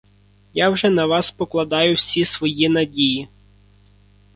Я вже на вас покладаю всі свої надії.